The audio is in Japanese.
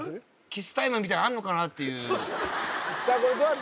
キスタイムみたいなのあんのかなっていうさあ